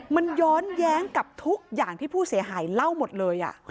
มันย้อนแย้งกับทุกอย่างที่ผู้เสียหายเล่าหมดเลย